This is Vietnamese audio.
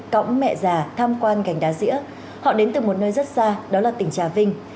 cõng mẹ già tham quan gành đá dĩa họ đến từ một nơi rất xa đó là tỉnh trà vinh